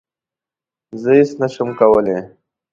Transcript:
زه هیڅ نه شم کولای